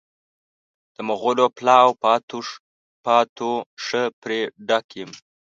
د مغلو پلاو پاتو ښه پرې ډک یم.